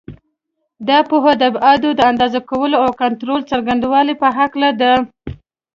دا پوهه د ابعادو د اندازه کولو او کنټرول څرنګوالي په هکله ده.